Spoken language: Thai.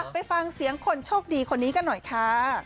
ไปฟังเสียงคนโชคดีคนนี้กันหน่อยค่ะ